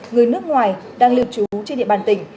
người nước ngoài đang lưu trú trên địa bàn tỉnh